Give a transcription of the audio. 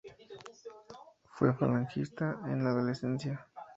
Fue falangista en la adolescencia.